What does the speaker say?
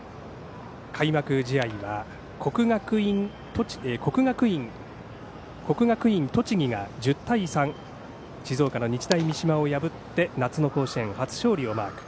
開幕試合は国学院栃木が１０対３と静岡の日大三島を破って夏の甲子園初勝利をマーク。